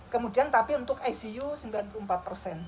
kemudian tapi untuk icu sembilan puluh empat persen